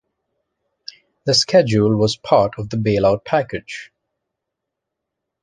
The schedule was part of the bailout package.